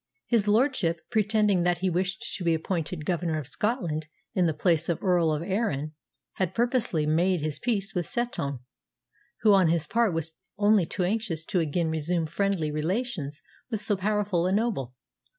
His lordship, pretending that he wished to be appointed Governor of Scotland in the place of the Earl of Arran, had purposely made his peace with Setoun, who on his part was only too anxious to again resume friendly relations with so powerful a noble.